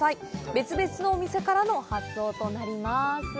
別々のお店からの発送になります。